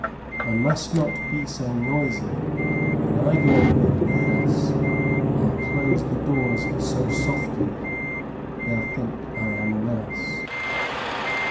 I must not be so noisy When I go about the house, I'll close the doors so softly They'll think I am a mouse.